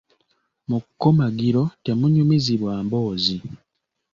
Mu kkomagiro temunyumizibwa mboozi.